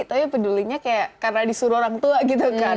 tapi pedulinya kayak karena disuruh orang tua gitu kan